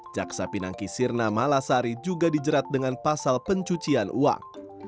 jaksa pinangki sirna malasari juga dijerat dengan pasal pencucian uang